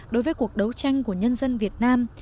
đối với cuộc đấu tranh của nhân dân việt nam